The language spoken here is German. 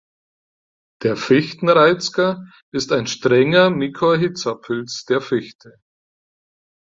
Der Fichten-Reizker ist ein strenger Mykorrhizapilz der Fichte.